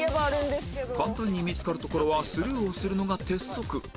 簡単に見つかるところはスルーをするのが鉄則